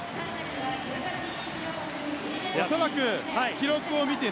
恐らく記録を見て